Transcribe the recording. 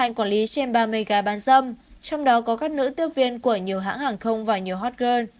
một trăm ba mươi gái bán dâm trong đó có các nữ tiêu viên của nhiều hãng hàng không và nhiều hot girl